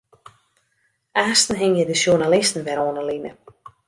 Aansten hingje de sjoernalisten wer oan 'e line.